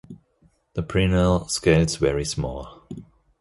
The preanal scales very small.